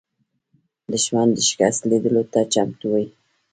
دښمن د شکست لیدلو ته چمتو وي